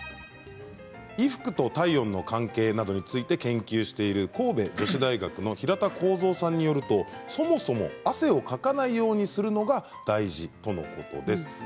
衣服と体温の関係などについて研究している神戸女子大学の平田耕造さんによりますとそもそも汗をかかないようにするのが大事とのことです。